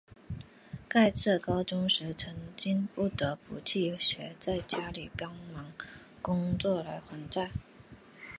盖茨高中时曾经不得不弃学在家里帮助工作来还债。